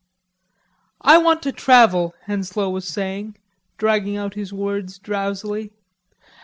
"I want to travel," Henslowe was saying, dragging out his words drowsily.